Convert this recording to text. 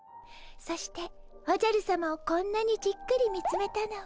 そしておじゃるさまをこんなにじっくり見つめたのは。